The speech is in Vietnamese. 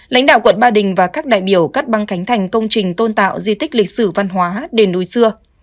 lãnh đạo quận ba đình và các đại biểu cắt băng khánh thành công trình tôn tạo di tích lịch sử văn hóa đền núi xưa